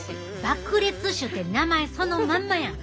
爆裂種って名前そのまんまやん！